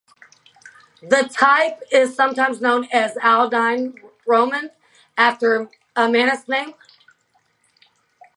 The type is sometimes known as the "Aldine roman" after Manutius' name.